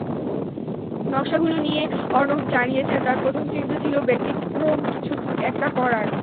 নকশাগুলো নিয়ে অর্ণব জানিয়েছেন, তাঁর প্রথম চিন্তা ছিল ব্যতিক্রম কিছু একটা করার।